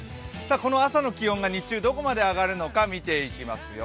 この朝の気温が日中、どこまで上がるか見ていきますよ。